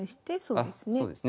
あそうですね。